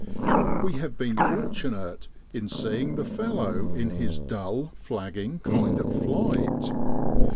We have been fortunate in seeing the fellow in his dull, flagging kind of flight.